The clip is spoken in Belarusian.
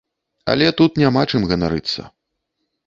Але тут няма чым ганарыцца.